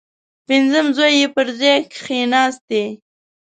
پنځم زوی یې پر ځای کښېنستی.